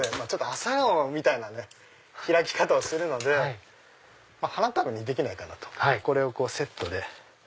アサガオみたいな開き方をするので花束にできないかなとこれをセットで。